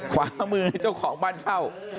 กลับมือให้เจ้าของบ้านเช่า